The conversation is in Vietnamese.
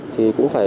thì cũng phải